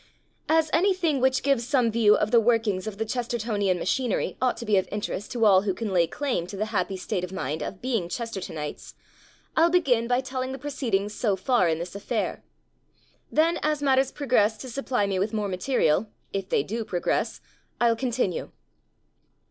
As anything which gives some view of the workings of the Chestertonian machinery ought to be of interest to all who can lay claim to the happy state of mind of being Chestertonites, I'll begin by telling the proceedings so far in this affair. Then as matters progress to supply me with more ma terial (if they do progress) I'll con tinue.